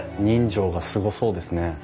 人情がすごそうですね。